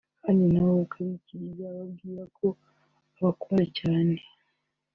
kandi nawe akabikiriza ababwira ko abakunda cyane